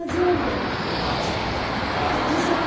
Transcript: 劇場が。